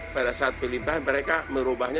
pada saat pelimpahan mereka merubahnya